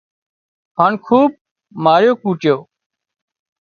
هانَ خوٻ ماريو ڪوٽيو